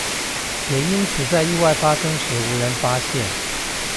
也因此在意外發生時無人發現